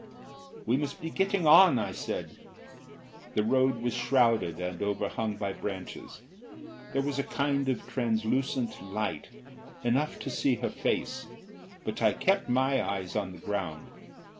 "We must be getting on," I said. The road was shrouded and overhung by branches. There was a kind of translucent light, enough to see her face, but I kept my eyes on the ground.